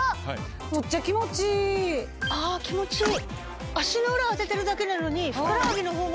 あ気持ちいい。